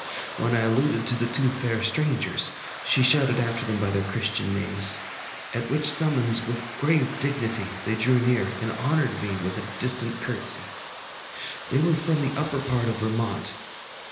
When I alluded to the two fair strangers, she shouted after them by their Christian names, at which summons, with grave dignity, they drew near, and honored me with a distant courtesy. They were from the upper part of Vermont.